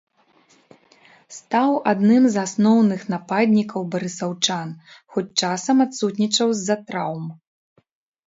Стаў адным з асноўных нападнікаў барысаўчан, хоць часам адсутнічаў з-за траўм.